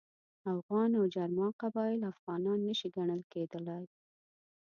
اوغان او جرما قبایل افغانان نه شي ګڼل کېدلای.